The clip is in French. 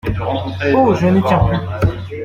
Oh ! je n’y tiens plus !…